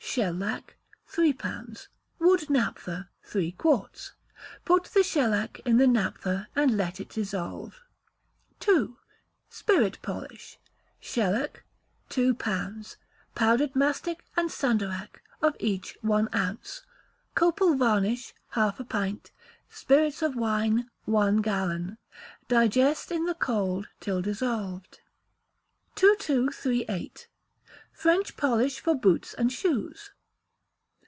Shell lac, three pounds; wood naphtha, three quarts. Put the shell lac in the naphtha and let it dissolve. ii. Spirit Polish. Shell lac, two pounds; powdered mastic and sandarac, of each one ounce; copal varnish, half a pint; spirits of wine, one gallon. Digest in the cold till dissolved. 2238. French Polish for Boots and Shoes.